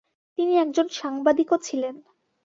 তিনি একজন সাংবাদিকও ছিলেন।